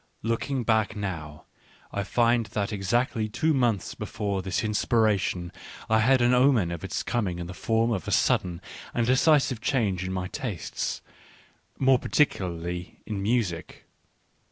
Looking back now, I find that exactly two months before this inspira tion I had an omen of its coming in the form of a sudden and decisive change in my tastes — more particularly in music.